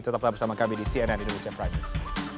tetap bersama kami di cnn indonesia primes